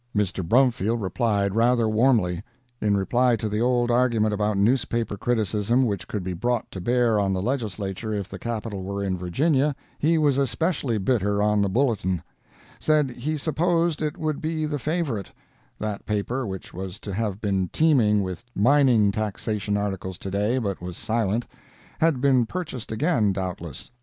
Mr. Brumfield replied rather warmly. In reply to the old argument about newspaper criticism which could be brought to bear on the Legislature if the Capital were in Virginia, he was especially bitter on the Bulletin—said he supposed it would be the favorite—that paper which was to have been teeming with mining taxation articles to day, but was silent—had been purchased again, doubtless.